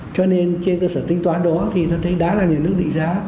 cho nên trên cơ sở tính toán đó tôi thấy đã là những nước định giá